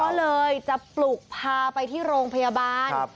ก็เลยจะปลุกพาไปที่โรงพยาบาล